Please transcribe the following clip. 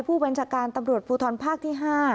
ผู้บัญชาการตำรวจภูทรภาคที่๕